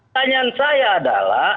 tanyain saya adalah